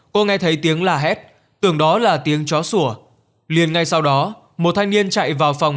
cô nghe thấy tiếng la hét tưởng đó là tiếng chó sủa liền ngay sau đó một thanh niên chạy vào phòng